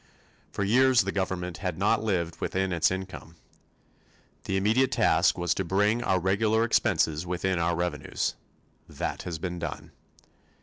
For years the government had not lived within its income. The immediate task was to bring our regular expenses within our revenues. That has been done.